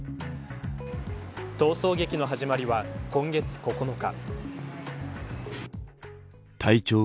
逃走劇の始まりは今月９日。